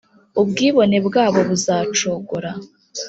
Ubwibone bwabo buzacogora,